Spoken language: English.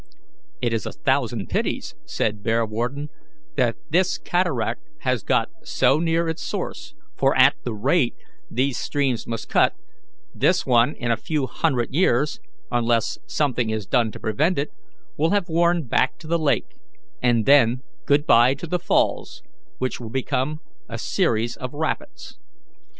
"It is a thousand pities," said Bearwarden, "that this cataract has got so near its source; for, at the rate these streams must cut, this one in a few hundred years, unless something is done to prevent it, will have worn back to the lake, and then good bye to the falls, which will become a series of rapids.